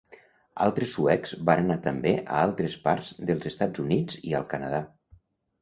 Altres suecs van anar també a altres parts dels Estats Units i al Canadà.